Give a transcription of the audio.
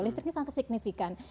listrik ini sangat signifikan